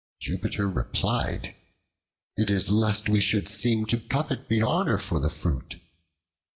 Jupiter replied, "It is lest we should seem to covet the honor for the fruit."